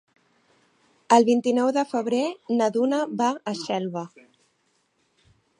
El vint-i-nou de febrer na Duna va a Xelva.